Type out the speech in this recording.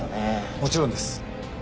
もちろんです。